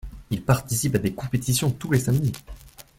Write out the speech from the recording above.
Il participe à des compétitions tous les samedis.